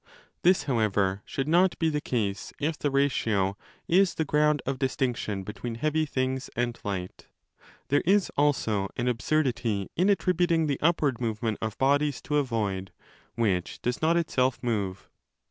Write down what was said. This, however, should not be the case if the ratio is the ground of distinction between heavy things and light. There is also an absurdity in attributing { Ἧ va ee Se BOOK IV. 2 309" the upward movement of bodies to a void which does not itself move.